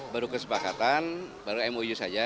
baru kesepakatan baru mou saja